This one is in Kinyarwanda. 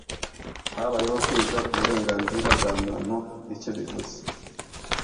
Habayeho kwiga ku burenganzira bwa muntu icyo bivuze